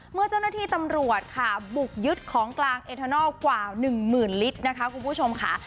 เมื่อเจ้าหน้าที่ตำรวจค่ะบุกยึดของกลางเอทานอลกว่า๑หมื่นลิตรนะคะคุณผู้ชมค่ะ